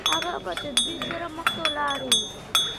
هغه په تدبیر سره مخته ولاړ.